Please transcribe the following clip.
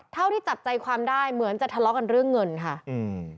เท่าที่จับใจความได้เหมือนจะทะเลาะกันเรื่องเงินค่ะอืม